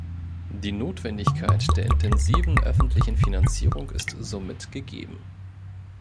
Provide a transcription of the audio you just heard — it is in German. Die Notwendigkeit der intensiven öffentlichen Finanzierung ist somit gegeben.